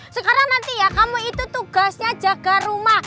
sekarang nanti ya kamu itu tugasnya jaga rumah